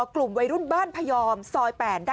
กลุ่มหนึ่งก็คือ